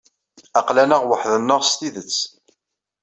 Aql-aneɣ weḥd-neɣ s tidet.